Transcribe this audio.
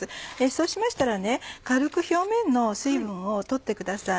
そうしましたら軽く表面の水分を取ってください。